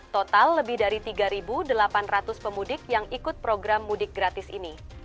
total lebih dari tiga delapan ratus pemudik yang ikut program mudik gratis ini